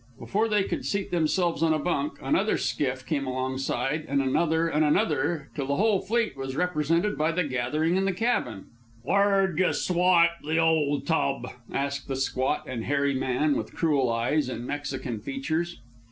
Before they could seat themselves on a bunk, another skiff came alongside, and another, and another, till the whole fleet was represented by the gathering in the cabin. "Where'd you swipe the old tub?" asked a squat and hairy man, with cruel eyes and Mexican features.